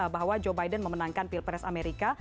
bahwa joe biden memenangkan pilpres amerika